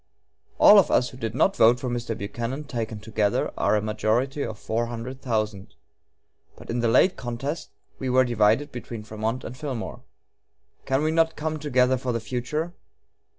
All of us who did not vote for Mr. Buchanan, taken together, are a majority of four hundred thousand. But in the late contest we were divided between Frémont and Fillmore. Can we not come together for the future?